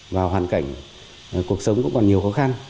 và hoàn cảnh cuộc sống cũng còn nhiều khó khăn